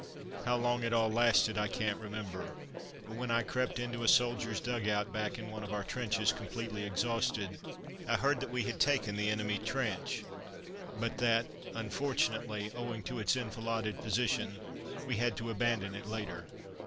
How long it all lasted I can't remember; but when I crept into a soldier's dug out, back in one of our trenches, completely exhausted, I heard that we had taken the enemy trench, but that, unfortunately, owing to its enfiladed position, we had to abandon it later.